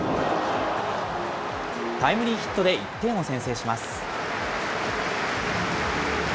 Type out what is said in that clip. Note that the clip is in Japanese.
タイムリーヒットで１点を先制します。